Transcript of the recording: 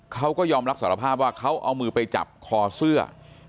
เขาก็ยอมรับสารภาพว่าเขาเอามือไปจับคอเสื้อ